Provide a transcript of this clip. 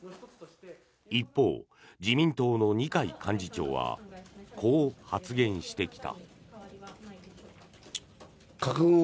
一方、自民党の二階幹事長はこう発言してきた。